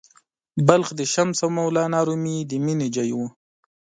بلخ د “شمس او مولانا رومي” د مینې ځای و.